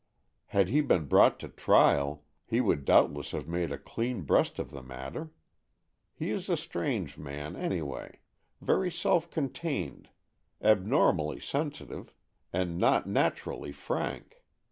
Had he been brought to trial, he would doubtless have made a clean breast of the matter. He is a strange man, any way; very self contained, abnormally sensitive, and not naturally frank.